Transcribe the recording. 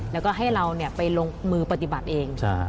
แล้วก็ให้เราไปลงมือปฏิบัติเอง